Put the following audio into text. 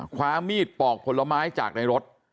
ความมีดปอกผลไม้จากในรถ